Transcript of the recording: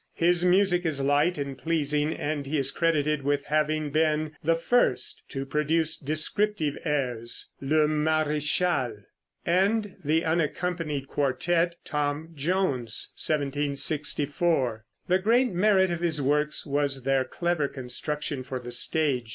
His music is light and pleasing, and he is credited with having been the first to produce descriptive airs ("Le Maréchal") and the unaccompanied quartette ("Tom Jones," 1764). The great merit of his works was their clever construction for the stage.